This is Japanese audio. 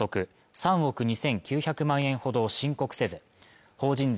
３億２９００万円ほどを申告せず法人税